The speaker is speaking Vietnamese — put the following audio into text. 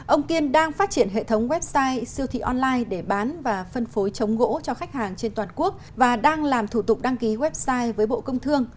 ông kiên đang phát triển hệ thống website siêu thị online để bán và phân phối chống gỗ cho khách hàng trên toàn quốc và đang làm thủ tục đăng ký website với bộ công thương